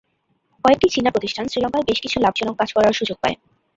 কয়েকটি চীনা প্রতিষ্ঠান শ্রীলঙ্কায় বেশ কিছু লাভজনক কাজ করার সুযোগ পায়।